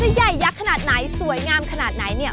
ใหญ่ยักษ์ขนาดไหนสวยงามขนาดไหนเนี่ย